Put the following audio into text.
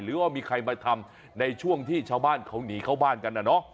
หรือว่ามีใครมาทำในช่วงที่ชาวบ้านเขาหนีเข้าบ้านกันนะเนาะ